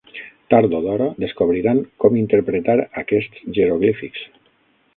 Tard o d'hora, descobriran com interpretar aquests jeroglífics.